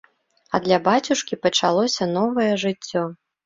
А для бацюшкі пачалося новае жыццё.